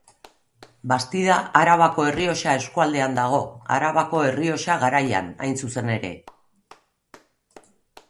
Bastida Arabako Errioxa eskualdean dago, Arabako Errioxa Garaian, hain zuzen ere.